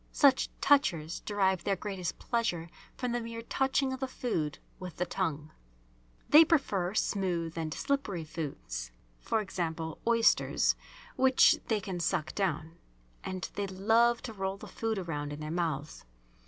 Such "touchers" derive their greatest pleasure from the mere touching of the food with the tongue. They prefer smooth and slippery foods, e.g., oysters which they can suck down, and they love to roll the food around in their mouths.